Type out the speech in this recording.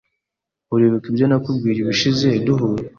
Uribuka ibyo nakubwiye ubushize duhuye?